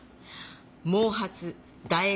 毛髪唾液